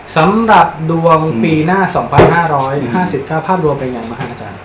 สำหรับดวงปีหน้า๒๕๕๙ภาพดวงเป็นยังไหมคะอาจารย์